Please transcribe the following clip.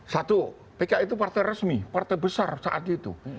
satu pki itu partai resmi partai besar saat itu